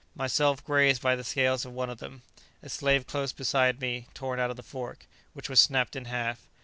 Myself grazed by the scales of one of them. A slave close beside me torn out of the fork, which was snapped in half.